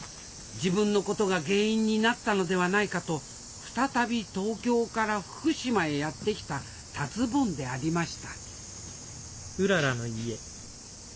自分のことが原因になったのではないかと再び東京から福島へやって来た達ぼんでありました